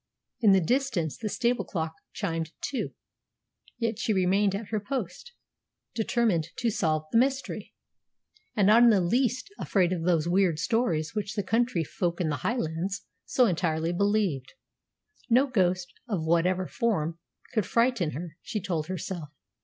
In the distance the stable clock chimed two. Yet she remained at her post, determined to solve the mystery, and not in the least afraid of those weird stories which the country folk in the Highlands so entirely believed. No ghost, of whatever form, could frighten her, she told herself.